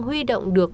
huy động được